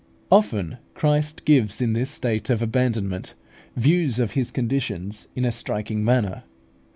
Often Christ gives in this state of abandonment views of His conditions in a striking manner.